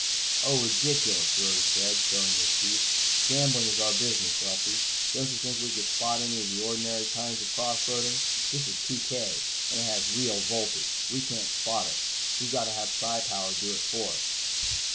"Oh, ridiculous," Rose said, showing his teeth. "Gambling is our business, Lefty. Don't you think we could spot any of the ordinary kinds of cross roading? This is TK, and it has real voltage. We can't spot it. We've got to have Psi power do it for us."